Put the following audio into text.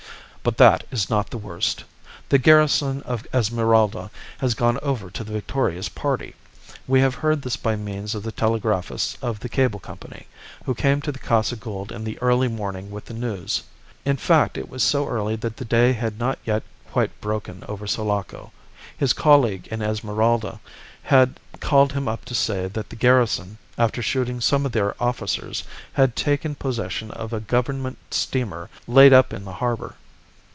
"But that is not the worst. The garrison of Esmeralda has gone over to the victorious party. We have heard this by means of the telegraphist of the Cable Company, who came to the Casa Gould in the early morning with the news. In fact, it was so early that the day had not yet quite broken over Sulaco. His colleague in Esmeralda had called him up to say that the garrison, after shooting some of their officers, had taken possession of a Government steamer laid up in the harbour.